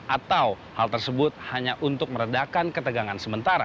atau hal tersebut hanya untuk meredakan ketegangan sementara